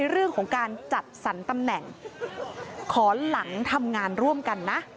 เรื่องของการจัดสรรตำแหน่งขอหลังทำงานร่วมกันนะ